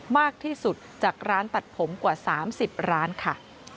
มากที่สุดจากร้านตัดผมกว่า๓๐ร้านค่ะ